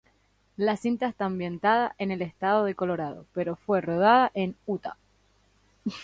La cinta está ambientada en el Estado de Colorado pero fue rodada en Utah.